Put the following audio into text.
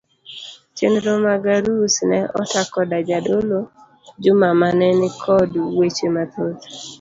Chenro mag arus ne ota koda jadolo Juma mane ni kod weche mathoth.